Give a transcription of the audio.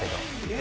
え！